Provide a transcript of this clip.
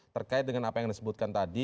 terkait dengan apa yang disebutkan tadi